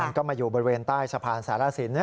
มันก็มาอยู่บริเวณใต้สะพานสารสิน